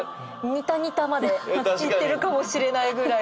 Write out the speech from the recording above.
ニタニタまでいってるかもしれないぐらいな。